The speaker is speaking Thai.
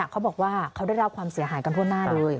เขาบอกว่าเขาได้รับความเสียหายกันทั่วหน้าเลย